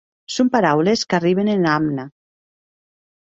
Son paraules qu'arriben ena amna.